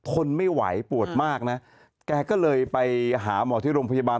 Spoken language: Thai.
ทนไม่ไหวปวดมากนะแกก็เลยไปหาหมอที่โรงพยาบาล